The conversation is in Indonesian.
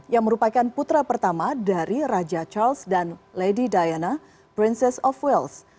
yang merupakan putra pertama dari raja charles dan lady diana princess of wales